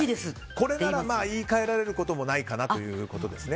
これなら言い換えられることもないかなということですね。